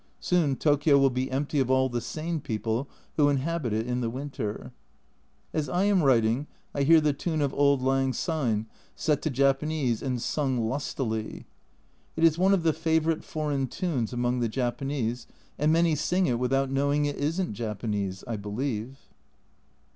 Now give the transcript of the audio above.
Soon Tokio will be empty of all the sane people who inhabit it in the winter. As I am writing I hear the tune of " Auld Lang Syne " set to Japanese and sung lustily. It is one of the favourite foreign tunes among the Japanese, and many sing it without knowing it isn't Japanese, I believe.